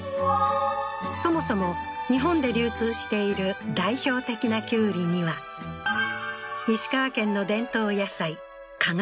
そもそも日本で流通している代表的なきゅうりには石川県の伝統野菜加賀